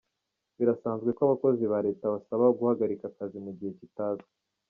Birasanzwe ko abakozi ba Leta basaba guhagarika akazi mu gihe kitazwi.